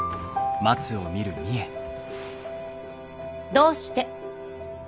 どうして？